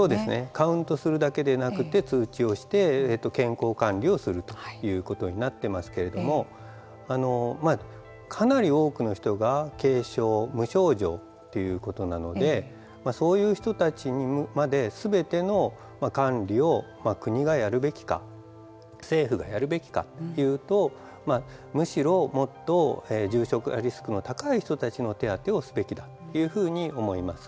カウントするだけじゃなくて通知をして健康管理をするということになってますけれどもかなり多くの人が軽症、無症状ということなのでそういう人たちまですべての管理を国がやるべきか政府がやるべきかというとむしろもっと重症化リスクの高い人たちの手当てをすべきだというふうに思います。